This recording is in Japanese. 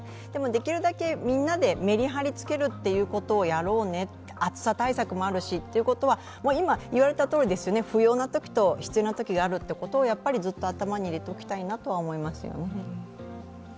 できるだけみんなでメリハリつけるということをやろうね、暑さ対策もあるし、ということは、今言われたとおり不要なときと必要なときがあることをずっと頭に入れておきたいと思いますよね。